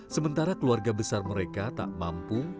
sementara keluarga besar mereka tak mampu